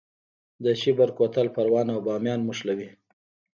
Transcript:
د شیبر کوتل پروان او بامیان نښلوي